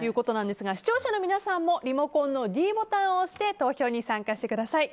視聴者の皆さんもリモコンのｄボタンを押して投票に参加してください。